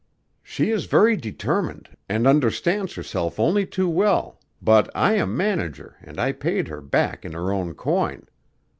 "She is very determined, and understands herself only too well, but I am manager, and I paid her back in her own coin.